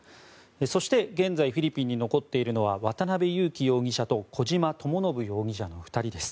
そして現在フィリピンに残っているのは渡邉優樹容疑者と小島智信容疑者の２人です。